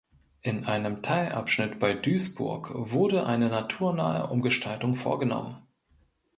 In einem Teilabschnitt bei Duisburg wurde eine naturnahe Umgestaltung vorgenommen.